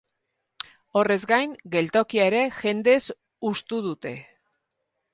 Horrez gain, geltokia ere jendez hustu dute.